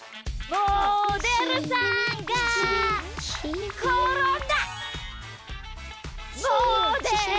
モデルさんがころんだ！